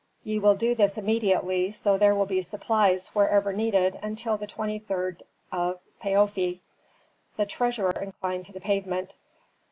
Ye will do this immediately, so that there be supplies wherever needed till the 23d of Paofi." The treasurer inclined to the pavement.